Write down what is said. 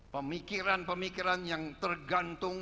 pemikiran pemikiran yang tergantung